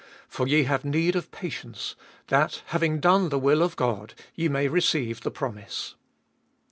35. For ye have need of patience, that, having done the will of God, ye may receive the promise.